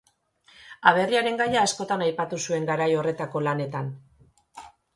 Aberriaren gaia askotan aipatu zuen garai horretako lanetan.